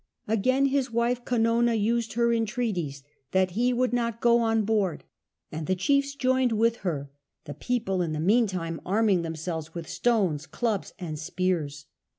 Again his wife Kanona used her entreaties that he would n5t go on board, and the chiefs joined w'ith her, the people in the mean time arming themselves with stones, clubs, and spears.